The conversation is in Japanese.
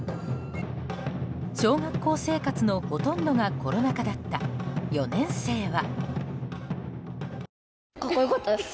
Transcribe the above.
小学校生活のほとんどがコロナ禍だった４年生は。